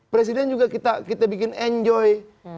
presiden juga kita bikin enjoy